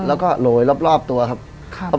แล้วก็โหลยรอบตัวครับ